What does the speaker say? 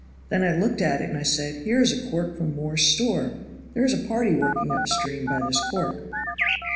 Then I looked at it, and I said, 'Here is a cork from Moore's store; there is a party working up stream by this cork.'"